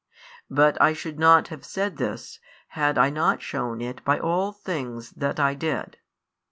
But I should not have said this, had I not shewn it by all things that I did.